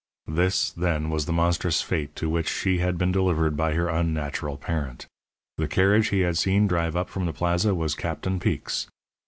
This, then, was the monstrous fate to which she had been delivered by her unnatural parent. The carriage he had seen drive up from the Plaza was Captain Peek's.